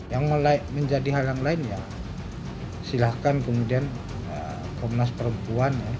yang menjadi hal yang lain ya silahkan kemudian komnas perempuan ya